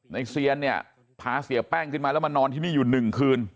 เซียนเนี่ยพาเสียแป้งขึ้นมาแล้วมานอนที่นี่อยู่๑คืน